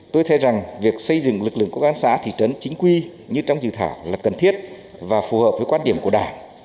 tôi thấy rằng việc xây dựng lực lượng công an xã thị trấn chính quy như trong dự thảo là cần thiết và phù hợp với quan điểm của đảng